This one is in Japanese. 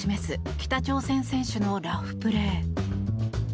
北朝鮮選手のラフプレー。